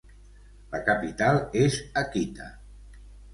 La capital és Akita.